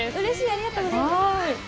ありがとうございます。